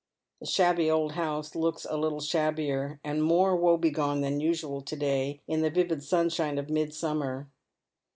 The shabby old house looks a little shabbier and more woe brgone than usual to day in the vivid sunshine of mid, summer.